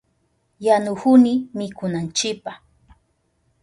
Yanuhuni mikunanchipa.